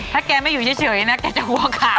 ถ้าแกไม่อยู่เฉยนะแกจะหัวขาด